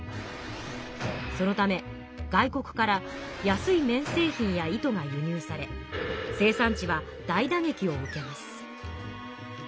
そのため外国から安い綿製品や糸が輸入され生産地は大打げきを受けます。